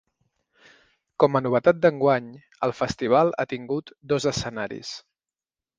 Com a novetat d’enguany, el festival ha tingut dos escenaris.